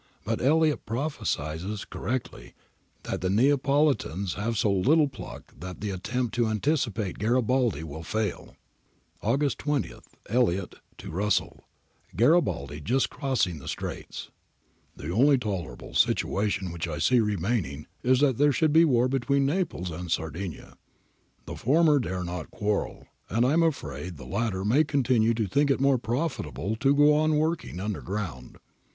But Elliot prophesies [correctly] that the Neapolitans have so little pluck that the attempt to anticipate Garibaldi will fail. August 20. Elliot to Russell, [Garibaldi just crossing the Straits,] ' The only tolerable solution which I see remaining is that there should be war between Naples and Sardinia. The former dare not quarrel, and I am afraid the latter may continue to think it more profitable to go on working underground.